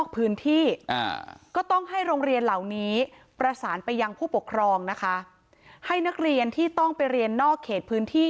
ประสานไปยังผู้ปกครองนะคะให้นักเรียนที่ต้องไปเรียนนอกเขตพื้นที่